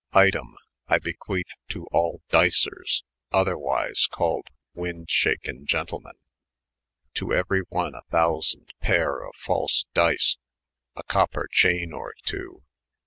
Item, I beqaethe to all dycers, otherWyse called wynde shaken gentle men, to euery one a thousand payre of false dice, a copper chayne or two